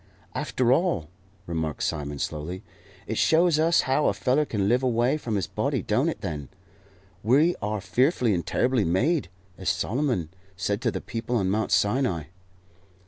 "After all," remarked Simon, slowly, "it shows us how a feller can live away from his body, don't it, then? We are fearfully and terribly made, as Solomon said to the people on Mount Sinai."